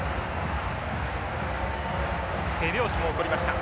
手拍子も起こりました。